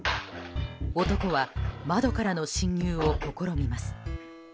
男は窓からの侵入を試みます。